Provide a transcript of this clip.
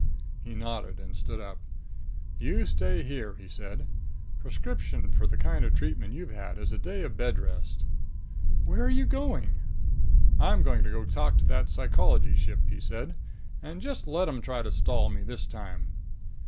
He nodded and stood up. "You stay here," he said. "Prescription for the kind of treatment you've had is a day of bed rest." "Where are you going?" "I'm going to go talk to that Psychology ship," he said. "And just let 'em try to stall me this time!"